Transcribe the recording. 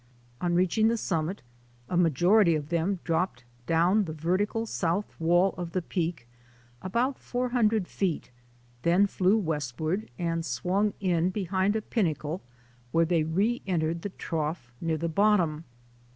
On reaching the summit a majority of them dropped down the vertical south wall of the peak about four hundred feet, then flew westward and swung in behind a pinnacle where they reentered the Trough near the bottom.